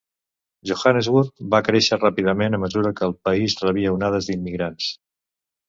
Johannesburg va créixer ràpidament a mesura que el país rebia onades d'immigrants.